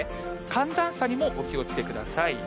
寒暖差にもお気をつけください。